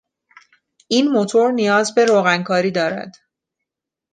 این موتور نیاز به روغن کاری دارد.